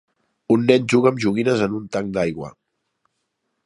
Un nen juga amb joguines en un tanc d'aigua